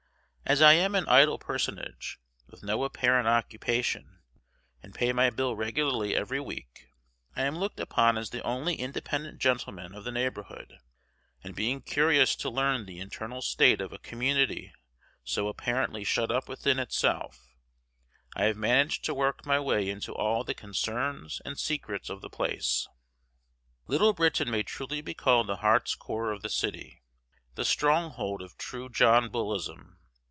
As I am an idle personage, with no apparent occupation, and pay my bill regularly every week, I am looked upon as the only independent gentleman of the neighborhood, and, being curious to learn the internal state of a community so apparently shut up within itself, I have managed to work my way into all the concerns and secrets of the place. Little Britain may truly be called the heart's core of the city, the stronghold of true John Bullism.